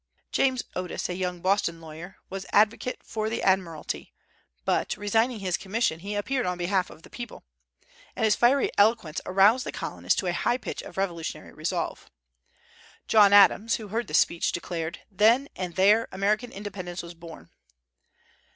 James Otis, a young Boston lawyer, was advocate for the Admiralty, but, resigning his commission, he appeared on behalf of the people, and his fiery eloquence aroused the Colonists to a high pitch of revolutionary resolve. John Adams, who heard the speech, declared, "Then and there American independence was born."